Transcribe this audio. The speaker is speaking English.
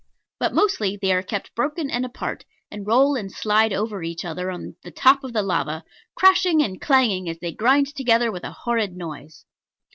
But mostly they are kept broken and apart, and roll and slide over each other on the top of the lava, crashing and clanging as they grind together with a horrid noise.